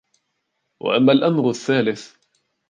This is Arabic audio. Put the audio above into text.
وَأَمَّا الْأَمْرُ الثَّالِثُ